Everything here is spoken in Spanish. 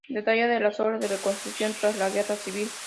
Detalle de las obras de reconstrucción tras la guerra civil.